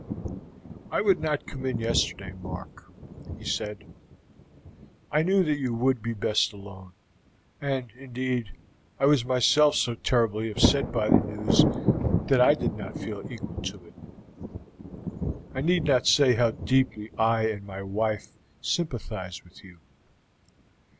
"I would not come in yesterday, Mark," he said. "I knew that you would be best alone; and, indeed, I was myself so terribly upset by the news that I did not feel equal to it. I need not say how deeply I and my wife sympathize with you.